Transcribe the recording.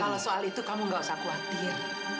kalau soal itu kamu gak usah khawatir